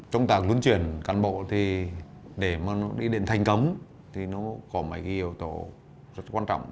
trong tạp luân chuyển cán bộ thì để mà nó đi đến thành công thì nó có mấy cái yếu tố rất quan trọng